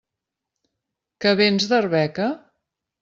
Que vens d'Arbeca?